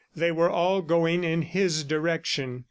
They were all going in his direction.